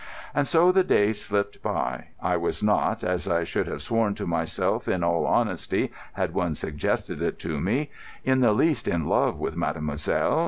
And so the days slipped by. I was not—as I should have sworn to myself in all honesty had one suggested it to me—in the least in love with mademoiselle.